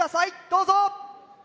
どうぞ！